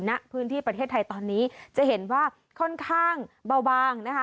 ณพื้นที่ประเทศไทยตอนนี้จะเห็นว่าค่อนข้างเบาบางนะคะ